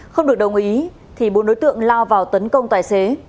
không được đồng ý thì bốn đối tượng lao vào tấn công tài xế